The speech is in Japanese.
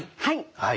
はい！